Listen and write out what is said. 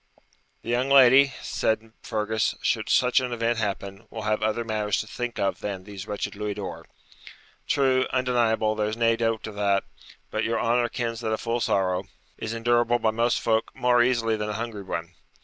'The young lady,' said Fergus, 'should such an event happen, will have other matters to think of than these wretched louis d'or.' 'True undeniable there's nae doubt o' that; but your honour kens that a full sorrow ' 'Is endurable by most folk more easily than a hungry one?